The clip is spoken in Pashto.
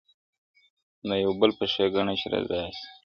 د یوه بل په ښېګڼه چي رضا سي!!